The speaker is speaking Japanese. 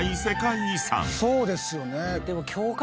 そうですよね。